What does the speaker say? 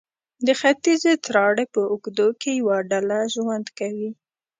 د ختیځې تراړې په اوږدو کې یوه ډله ژوند کوي.